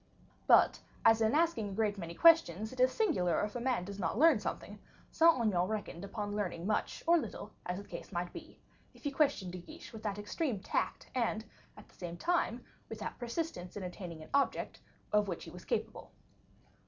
But, as in asking a great many questions it is singular if a man does not learn something, Saint Aignan reckoned upon learning much or little, as the case might be, if he questioned De Guiche with that extreme tact, and, at the same time, with that persistence in attaining an object, of which he was capable.